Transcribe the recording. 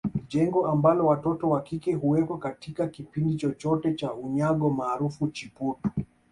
Jengo ambalo watoto wa kike huwekwa katika kipindi chote cha unyago maarufu Chiputu